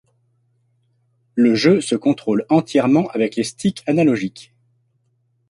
Le jeu se contrôle entièrement avec les sticks analogiques.